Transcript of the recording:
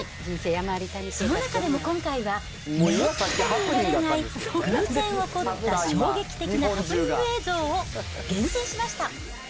その中でも今回は、めったに見られない偶然起こった衝撃的なハプニング映像を厳選しました。